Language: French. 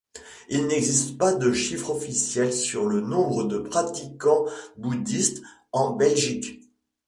Il n'existe pas de chiffres officiels sur le nombre de pratiquants bouddhistes en Belgique.